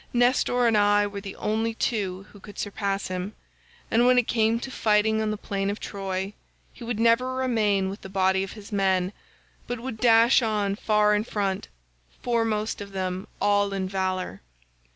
Nestor and I were the only two who could surpass him; and when it came to fighting on the plain of Troy, he would never remain with the body of his men, but would dash on far in front, foremost of them all in valour.